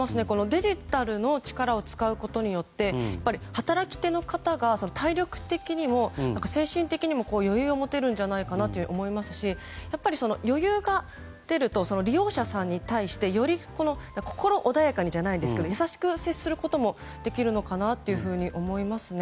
デジタルの力を使うことによって働き手の方が体力的にも精神的にも余裕を持てるんじゃないかと思いますしやっぱり、余裕が出ると利用者さんに対してより心穏やかにじゃないですが優しく接することができるのかなと思いますね。